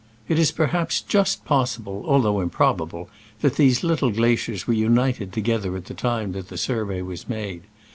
t It is perhaps just possible, although improbable, that these little glaciers were united together at the time that the survey was made.